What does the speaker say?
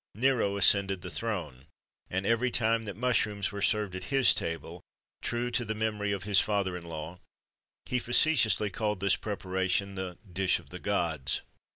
[XXIII 111] Nero ascended the throne, and every time that mushrooms were served at his table, true to the memory of his father in law, he facetiously called this preparation the "dish of the gods."